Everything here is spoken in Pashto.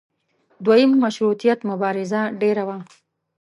دویم مشروطیت مبارزه ډېره وه.